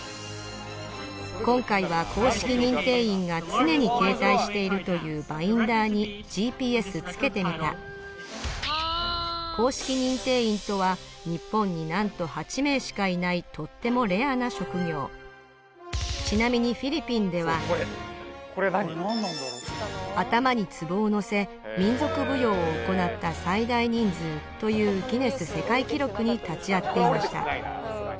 今回は公式認定員が常に携帯しているというバインダーにＧＰＳつけてみた公式認定員とは日本になんと８名しかいないとってもレアな職業ちなみにフィリピンでは頭につぼを載せ民族舞踊を行った最大人数というギネス世界記録に立ち会っていました